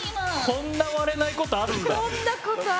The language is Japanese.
こんな割れないことあるんだ。